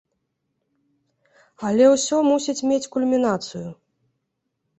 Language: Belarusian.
Але ўсё мусіць мець кульмінацыю!